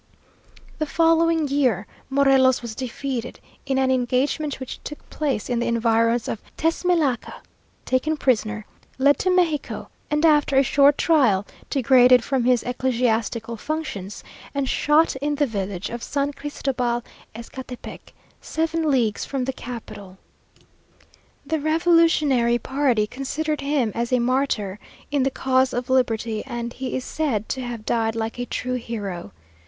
The following year, Morelos was defeated in an engagement which took place in the environs of Tesmelaca, taken prisoner, led to Mexico, and, after a short trial, degraded from his ecclesiastical functions, and shot in the village of San Cristobal Ecatepec, seven leagues from the capital. The revolutionary party considered him as a martyr in the cause of liberty, and he is said to have died like a true hero.